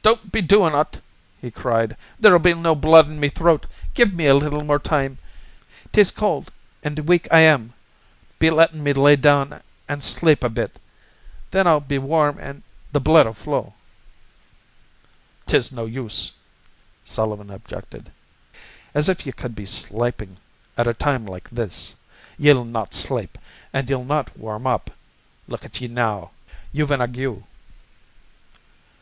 "Don't be doin' ut," he cried. "There'll be no blood in me throat. Give me a little time. 'Tis cold an' weak I am. Be lettin' me lay down an' slape a bit. Then I'll be warm an' the blood'll flow." "'Tis no use," Sullivan objected. "As if ye cud be slapin' at a time like this. Ye'll not slape, and ye'll not warm up. Look at ye now. You've an ague."